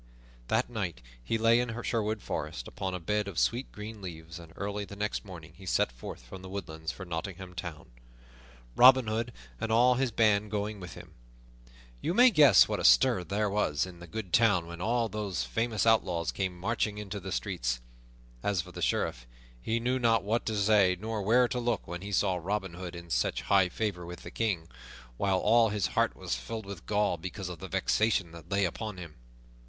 That night he lay in Sherwood Forest upon a bed of sweet green leaves, and early the next morning he set forth from the woodlands for Nottingham Town, Robin Hood and all of his band going with him. You may guess what a stir there was in the good town when all these famous outlaws came marching into the streets. As for the Sheriff, he knew not what to say nor where to look when he saw Robin Hood in such high favor with the King, while all his heart was filled with gall because of the vexation that lay upon him.